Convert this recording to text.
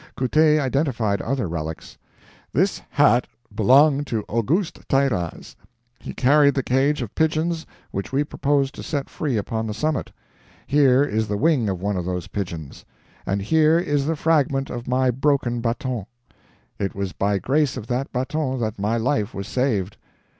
Couttet identified other relics: "This hat belonged to Auguste Tairraz. He carried the cage of pigeons which we proposed to set free upon the summit. Here is the wing of one of those pigeons. And here is the fragment of my broken baton; it was by grace of that baton that my life was saved.